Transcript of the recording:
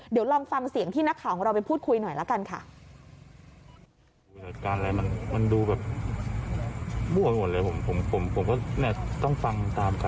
เดี๋ยวลองฟังเสียงที่นักข่าวของเราไปพูดคุยหน่อยละกันค่ะ